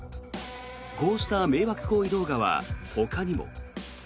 こうした迷惑行為動画はほかにも。